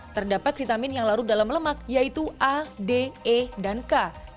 terdapat vitamin yang larut dalam lemak yaitu a d e dan k